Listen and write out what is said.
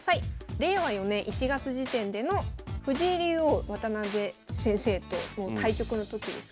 令和４年１月時点での藤井竜王渡辺先生との対局の時ですかね。